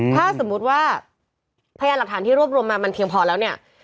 ถ้าสมมุติว่าพยานหลักฐานที่รวบรวมมามันเพียงพอแล้วเนี่ย